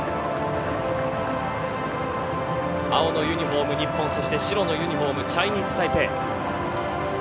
青のユニホーム日本、そして白のユニホームチャイニーズタイペイ。